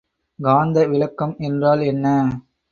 காந்தவிலக்கம் என்றால் என்ன?